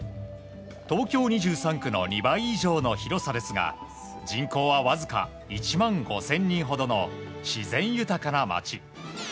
東京２３区の２倍以上の広さですが人口はわずか１万５０００人ほどの自然豊かな町。